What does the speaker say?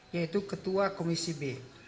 yaitu ketua komisi b